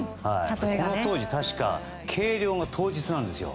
この当時、確か計量が当日なんですよ。